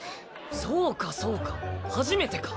そうかそうか初めてか。